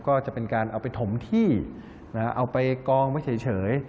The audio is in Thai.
ก็จะเป็นการเอาไปถมที่เอาไปกองไว้เฉย